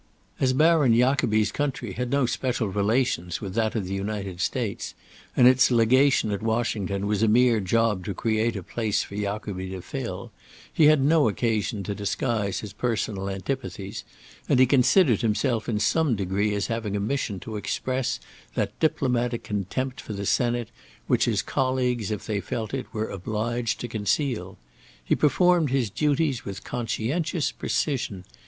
As Baron Jacobi's country had no special relations with that of the United States, and its Legation at Washington was a mere job to create a place for Jacobi to fill, he had no occasion to disguise his personal antipathies, and he considered himself in some degree as having a mission to express that diplomatic contempt for the Senate which his colleagues, if they felt it, were obliged to conceal. He performed his duties with conscientious precision.